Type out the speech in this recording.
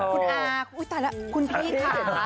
คุณอาอุ๊ยตายแล้วคุณพี่ค่ะ